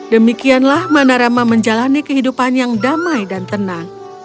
demikianlah mana rama menjalani kehidupan yang damai dan tenang